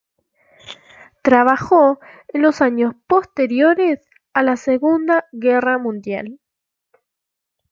Trabajó en los años posteriores a la Segunda Guerra Mundial.